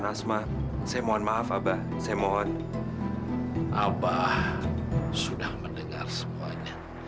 abah sudah mendengar semuanya